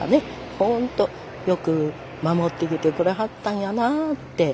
ほんとよく守ってきてくれはったんやなって思いますね。